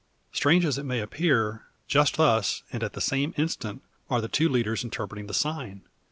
Strange as it may appear, just thus, and at the same instant, are the two leaders interpreting the sign!